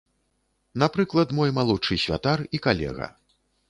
Напрыклад, мой малодшы святар і калега.